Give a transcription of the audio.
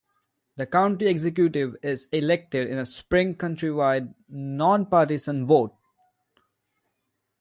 The county executive is elected in a spring countywide, non-partisan vote.